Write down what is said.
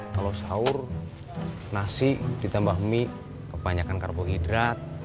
kalau sahur nasi ditambah mie kebanyakan karbohidrat